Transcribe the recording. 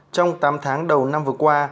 trong tám tháng đầu năm vừa qua